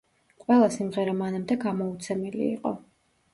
ყველა სიმღერა მანამდე გამოუცემელი იყო.